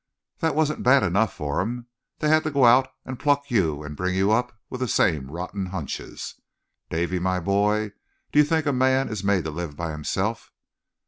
"That wasn't bad enough for 'em they had to go out and pluck you and bring you up with the same rotten hunches. Davie, my boy, d'you think a man is made to live by himself?